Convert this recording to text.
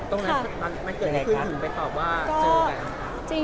ตรงนั้นมันเกิดไปถึงไปตอบว่าเจอกัน